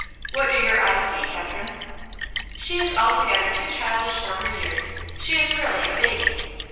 "What do your eyes see, Catherine?" "She is altogether too childish for her years; she is really a baby."